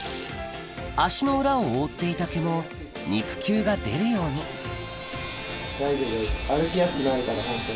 足の裏を覆っていた毛も肉球が出るように大丈夫大丈夫。